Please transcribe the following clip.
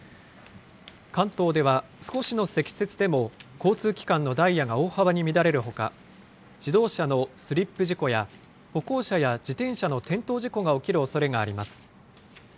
関東では少しの積雪でも交通機関のダイヤが大幅に乱れるほか、自動車のスリップ事故や、歩行者や自転車の転倒事故が起きるおそれがあります。